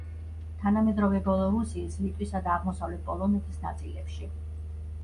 თანამედროვე ბელორუსიის, ლიტვისა და აღმოსავლეთ პოლონეთის ნაწილებში.